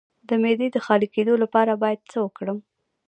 د معدې د خالي کیدو لپاره باید څه وکړم؟